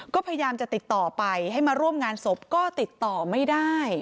ก็พยายามจะติดต่อไปให้มาร่วมงานศพก็ติดต่อไม่ได้